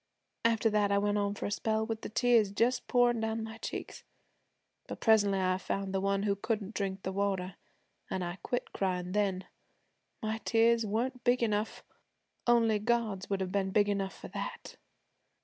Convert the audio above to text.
After that I went on for a spell with the tears just pourin' down my cheeks. But presently I found the one who couldn't drink the water, an' I quit cryin' then. My tears weren't big enough; only God's would have been big enough for that.